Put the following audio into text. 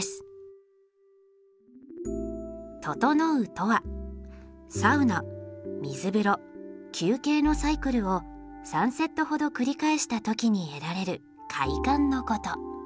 「ととのう」とはサウナ水風呂休憩のサイクルを３セットほど繰り返した時に得られる快感のこと。